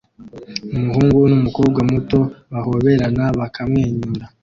Umuhungu numukobwa muto bahoberana bakamwenyura